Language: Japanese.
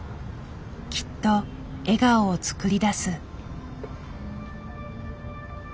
きっと笑顔を作り出す。